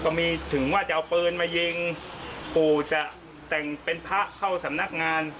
มีถึงว่าจะเอาปืนมายิงปู่จะแต่งเป็นพระเข้าสำนักงาน